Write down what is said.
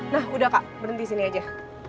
nah udah kak berhenti sini aja